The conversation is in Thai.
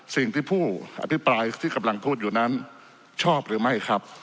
สิ่งที่ผู้อภิปรายที่กำลังพูดอยู่นั้นชอบหรือไม่ครับ